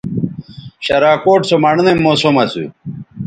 شراکوٹ سو مڑنئ موسم اسُو